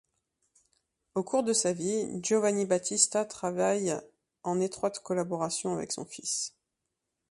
Au cours de sa vie, Giovanni Battista travaille en étroite collaboration avec son fils.